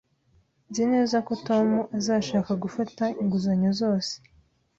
Nzi neza ko Tom azashaka gufata inguzanyo zose